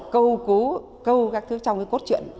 câu cứu câu các thứ trong cái cốt truyện